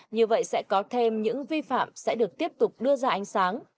như vậy sẽ có thêm những vi phạm sẽ được tiếp tục đưa ra ánh sáng